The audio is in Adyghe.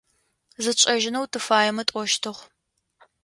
Зытшӏэжьынэу тыфаемэ тӏощтыгъ.